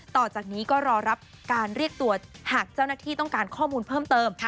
ต่อจากนี้ก็รอรับการเรียกตัวหากเจ้าหน้าที่ต้องการข้อมูลเพิ่มเติม